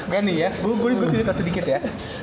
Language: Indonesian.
gue cerita sedikit ya